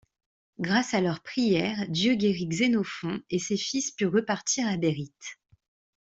Grâce à leurs prières, Dieu guérit Xénophon, et ses fils purent repartir à Béryte.